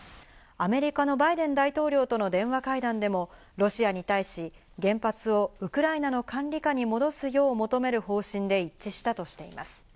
アメリカのバイデン大統領との電話会談でもロシアに対し、原発をウクライナの管理下に戻すよう求める方針で一致したとしています。